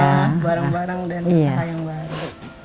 rumah barang barang dan usaha yang baru